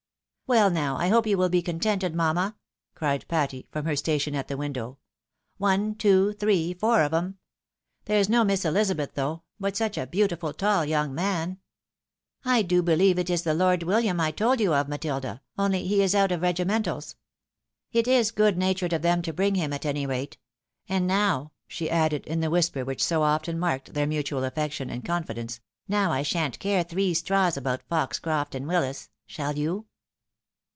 " Well, now, I hope you will be contented, mamma ?" cried Patty, from her station at the window. " One, two, three, four of 'em. There's no Miss Elizabeth though, but such a beautiful, tall young man. I do believe it is the Lord William I told you of, Matilda, only he is out of regimentals. It is good natured of them to bring him, at any rate ; and now," she added, in the whisper which so often marked their mutual affection and con fidence, " now I shan't care three straws about Eoxcroft and Willis— shaU you